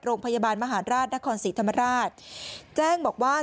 โรงพยาบาลมหาราชนครศรีธรรมราชแจ้งบอกว่า